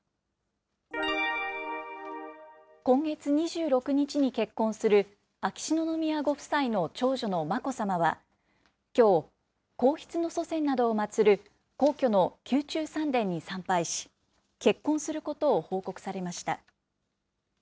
今月２６日に結婚する秋篠宮ご夫妻の長女の眞子さまは、きょう、皇室の祖先などを祭る皇居の宮中三殿に参拝し、結婚することを報告されました。